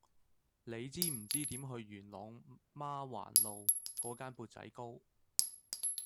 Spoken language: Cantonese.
你知唔知點去元朗媽橫路嗰間缽仔糕